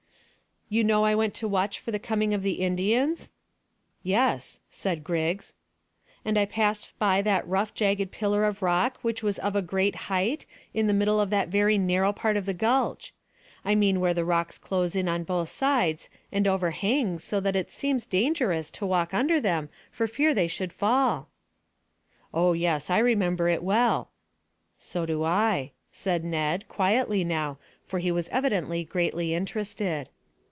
"You know I went to watch for the coming of the Indians?" "Yes," said Griggs. "And I passed by that rough jagged pillar of rock which was of a great height, in the middle of that very narrow part of the gulch. I mean where the rocks close in on both sides and overhang so that it seems dangerous to walk under them for fear they should fall." "Oh yes, I remember it well." "So do I," said Ned, quietly now, for he was evidently greatly interested.